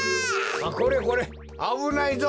これこれあぶないぞ！